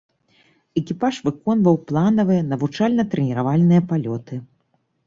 Экіпаж выконваў планавыя навучальна-трэніравальныя палёты.